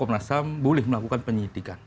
komnas ham boleh melakukan penyidikan